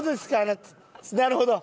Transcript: なるほど。